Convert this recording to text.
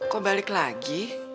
kok balik lagi